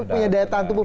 punya daya tahan tubuh